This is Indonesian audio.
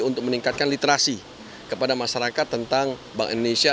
untuk meningkatkan literasi kepada masyarakat tentang bank indonesia